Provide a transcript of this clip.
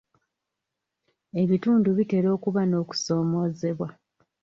Ebitundu bitera okuba n'okusoomoozebwa.